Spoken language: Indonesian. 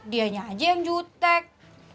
dianya aja yang jutek